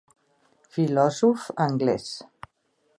Filosòf anglés.